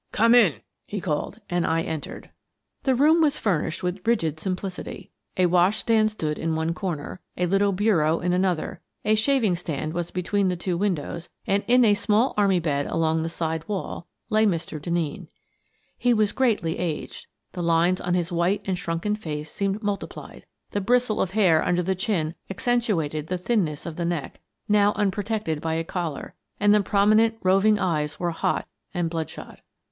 " Come in !" he called, and I entered. "3 124 Miss Frances Baird, Detective The room was furnished with rigid simplicity: a wash stand stood in one corner, a little bureau in another, a shaving stand was between the two windows, and in a small army bed along the side wall lay Mr. Denneen. He was greatly aged. The lines on his white and shrunken face seemed multiplied, the bristle of hair under the chin accentuated the thinness of the neck, now unprotected by a collar, and the prom inent, roving eyes were hot and bloodshot.